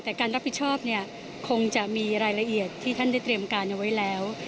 แต่การรับผิดชอบเนี่ยคงจะมีรายละเอียดที่ท่านได้เตรียมการเอาไว้แล้ว